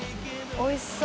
おいしそう。